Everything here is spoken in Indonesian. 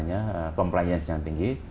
yang agak capable mempunyai komplians yang tinggi